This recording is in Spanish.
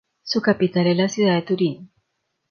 Su capital es la ciudad de Turín.